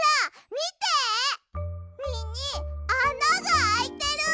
みにあながあいてる。